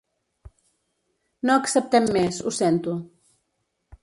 No acceptem més, ho sento.